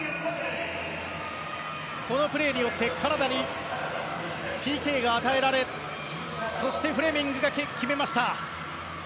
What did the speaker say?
このプレーによってカナダにＰＫが与えられそしてフレミングが決めました。